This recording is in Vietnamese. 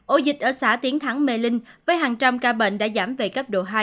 ổ dịch ở xã tiến thắng mê linh với hàng trăm ca bệnh đã giảm về cấp độ hai